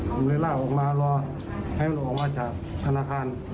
ผมเลยลากออกมารอให้มันออกมาจากธนาคาร